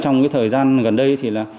trong thời gian gần đây